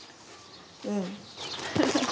うん。